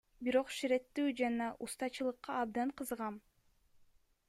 Бирок ширетүү жана устачылыкка абдан кызыгам.